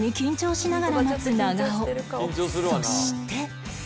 そして